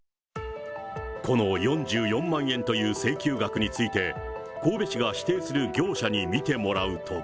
この４４万円という請求額について、神戸市が指定する業者に見てもらうと。